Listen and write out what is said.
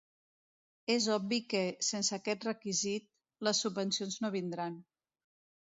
És obvi que, sense aquest requisit, les subvencions no vindran.